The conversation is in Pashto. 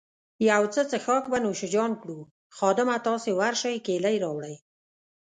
یو څه څیښاک به نوش جان کړو، خادمه، تاسي ورشئ کیلۍ راوړئ.